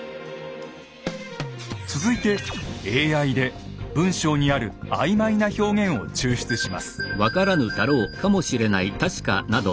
続いてＡＩで文章にある曖昧な表現を抽出します。